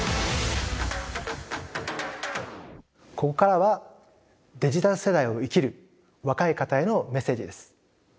ここからはデジタル世代を生きる若い方へのメッセージです。